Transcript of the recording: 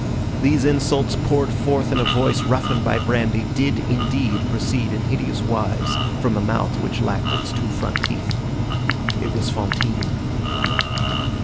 These insults, poured forth in a voice roughened by brandy, did, indeed, proceed in hideous wise from a mouth which lacked its two front teeth. It was Fantine.